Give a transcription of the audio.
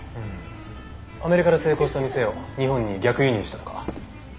アメリカで成功した店を日本に逆輸入したとか。